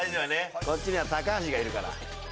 こっちには橋がいるから。